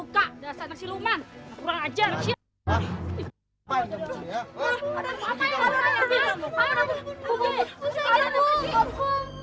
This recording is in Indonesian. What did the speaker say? bukti apa yang kamu mau